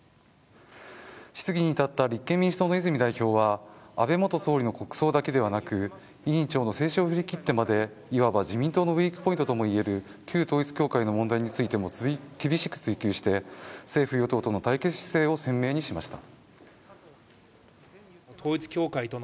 質疑に立った立憲民主党の泉代表は安倍元総理の国葬だけではなく委員長の制止を振り切ってまでいわば自民党のウイークポイントとも言える旧統一教会の問題についても厳しく追及して政府・与党との対決姿勢を鮮明にしました。